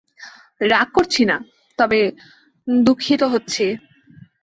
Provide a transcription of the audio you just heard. রাগ করছি না, তবে দুঃখিত হচ্ছি।